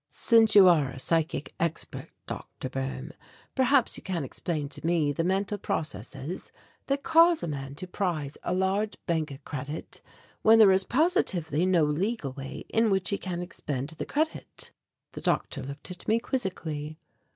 "Since you are a psychic expert, Dr. Boehm, perhaps you can explain to me the mental processes that cause a man to prize a large bank credit when there is positively no legal way in which he can expend the credit." The doctor looked at me quizzically.